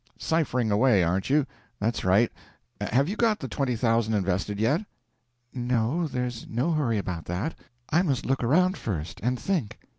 "Ciphering away, aren't you? That's right. Have you got the twenty thousand invested yet?" "No, there's no hurry about that; I must look around first, and think."